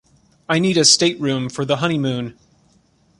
I need a stateroom for the honeymoon.